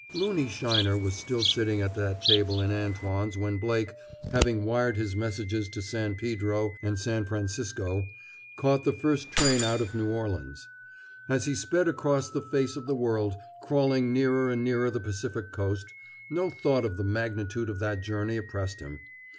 Loony Sheiner was still sitting at that table in Antoine's when Blake, having wired his messages to San Pedro and San Francisco, caught the first train out of New Orleans. As he sped across the face of the world, crawling nearer and nearer the Pacific Coast, no thought of the magnitude of that journey oppressed him.